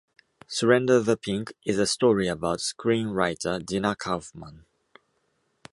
"Surrender the Pink" is a story about screenwriter Dinah Kaufman.